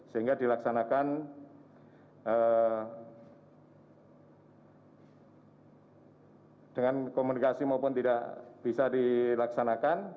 sehingga dilaksanakan dengan komunikasi maupun tidak bisa dilaksanakan